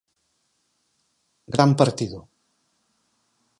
Gran partido.